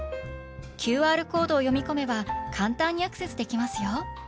ＱＲコードを読み込めば簡単にアクセスできますよ！